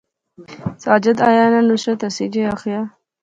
ساجد آیا ناں، نصرت ہنسی جے آخیا